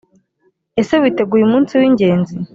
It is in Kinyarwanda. ese witeguye umunsi w’ingenzi